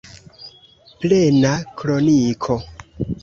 Plena kroniko.